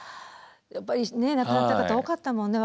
やっぱり亡くなった方多かったもんね。